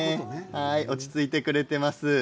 落ち着いてくれています。